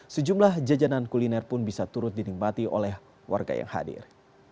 sejumlah jajanan kuliner pun bisa turut dinikmati oleh warga yang hadir